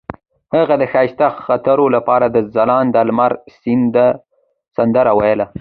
هغې د ښایسته خاطرو لپاره د ځلانده لمر سندره ویله.